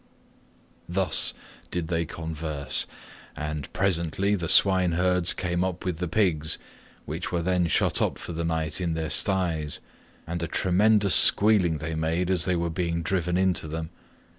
Thus did they converse, and presently the swineherds came up with the pigs, which were then shut up for the night in their styes, and a tremendous squealing they made as they were being driven into them.